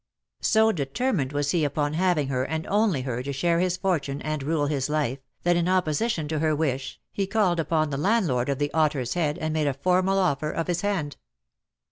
So determined was he upon having her and only her to share his fortune and rule his life, that, in opposition to her wish, he called upon the landlord '68 .DEAD LOVE HAS CHAINS. of the "Otter's Head" and made a formal offer of his hand.